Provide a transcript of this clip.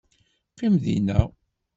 Qqim dinna.